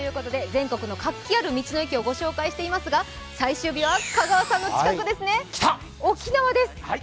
全国の活気ある道の駅を御紹介していますが、最終日は沖縄です。